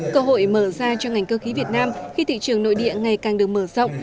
cơ hội mở ra cho ngành cơ khí việt nam khi thị trường nội địa ngày càng được mở rộng